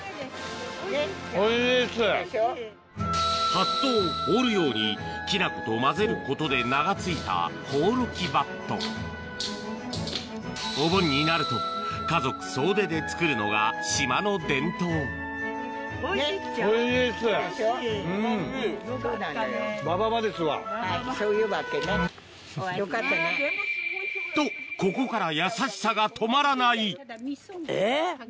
はっとを放るようにきな粉と混ぜることで名が付いたほうろきばっとお盆になると家族総出で作るのが島の伝統とここから優しさが止まらない